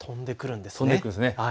飛んでくるんですね。